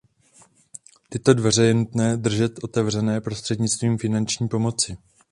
Tyto dveře je nutné udržet otevřené prostřednictvím finanční pomoci.